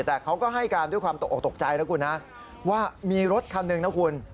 แต่เขาก็ให้การด้วยความตกออกตกใจนะคุณฮะว่ามีรถคันหนึ่งนะคุณ